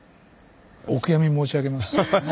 お悔やみ申し上げます。